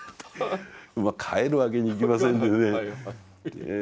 帰るわけにいきませんでね